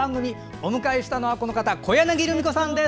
お迎えしたのは、この方小柳ルミ子さんです。